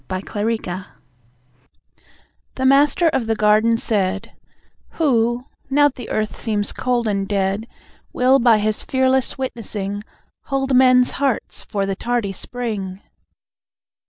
The Witness The Master of the Garden said; "Who, now the Earth seems cold and dead, Will by his fearless witnessing Hold men's hearts for the tardy spring?"